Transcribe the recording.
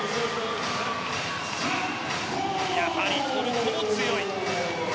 やはりトルコも強い。